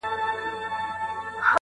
دلته دا هم ویلی شو